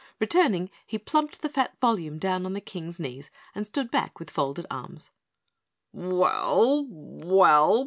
Returning, he plumped the fat volume down on the King's knees and stood back with folded arms. "Well well?